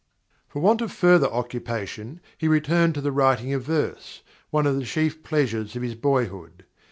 _ _For want of further occupation he returned to the writing of verse, one of the chief pleasures of his boyhood.